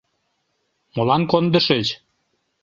Молан кондышыч?